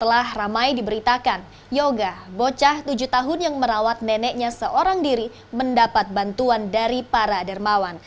setelah ramai diberitakan yoga bocah tujuh tahun yang merawat neneknya seorang diri mendapat bantuan dari para dermawan